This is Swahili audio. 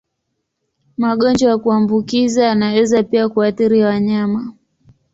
Magonjwa ya kuambukiza yanaweza pia kuathiri wanyama.